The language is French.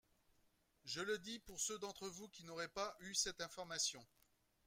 Je le dis pour ceux d’entre vous qui n’auraient pas eu cette information.